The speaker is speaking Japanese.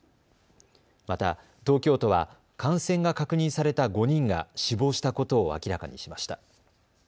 また、東京都は感染が確認された５人が死亡したことを明らかにしました。